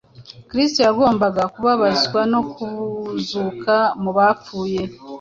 Kristo yagombaga kubabazwa no kuzuka mu bapfuye.